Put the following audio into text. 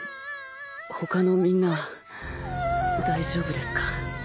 他のみんなは大丈夫ですか？